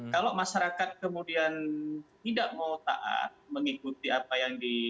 kalau masyarakat kemudian tidak mau taat mengikuti apa yang di